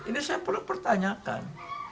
ini saya perlu pertanyakan